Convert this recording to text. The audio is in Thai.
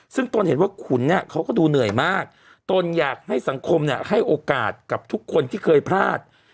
ซึ่งตนเห็นว่าขุนเนี่ยเขาก็ดูเหนื่อยมากตนอยากให้สังคมเนี่ยให้โอกาสกับทุกคนที่เคยพลาด